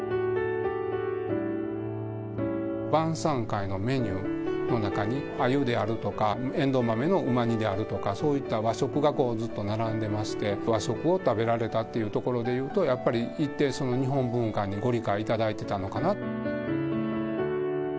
晩さん会のメニューの中にアユであるとか、エンドウマメのうま煮であるとか、そういった和食がずっと並んでまして、和食を食べられたってところであると、やっぱり一定、日本文化にご理解いただいてたのかな。